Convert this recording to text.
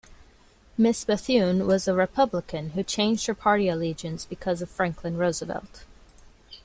"Ms. Bethune was a Republican who changed her party allegiance because of Franklin Roosevelt.".